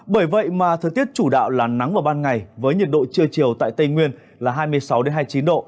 bởi vậy mà thời tiết chủ đạo là nắng vào ban ngày với nhiệt độ trưa chiều tại tây nguyên là hai mươi sáu hai mươi chín độ